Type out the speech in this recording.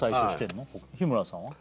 日村さんは？